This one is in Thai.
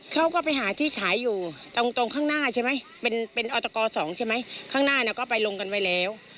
เขาก็ไปหาที่ขายอยู่ตรงข้างหน้าใช่ไหมเป็นเป็นออตก๒ใช่ไหมข้างหน้าก็ไปลงกันไว้แล้ว